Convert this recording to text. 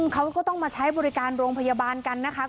เขาก็ต้องมาใช้บริการโรงพยาบาลกันนะคะ